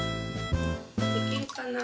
できるかな？